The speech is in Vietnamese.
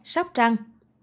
năm mươi sóc trăng